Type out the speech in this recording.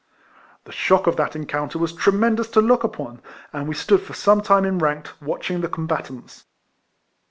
The shock of that encounter was tremen dous to look upon, and we stood for some time enranked, watching the combatants.